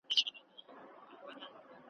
دا شعر د مشاعرې ترټولو ښه شعر بللی دی .